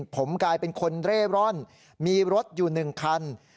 ผมกลายเป็นคนเร่ร่อนมีรถอยู่๑คัน